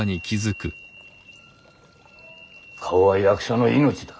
顔は役者の命だ。